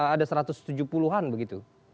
ada satu ratus tujuh puluh an begitu